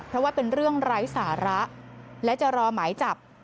เพราะว่าเป็นเรื่องไร้สาระและจะรอหมายจับ